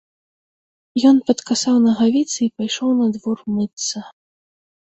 Ён падкасаў нагавіцы і пайшоў на двор мыцца.